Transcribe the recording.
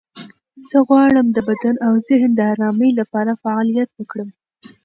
زه غواړم د بدن او ذهن د آرامۍ لپاره فعالیت وکړم.